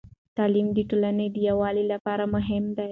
تعليم د ټولنې د يووالي لپاره مهم دی.